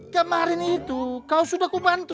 kemarin itu kau sudah ku bantu